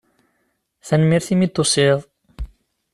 Tanemmirt imi d-tusiḍ.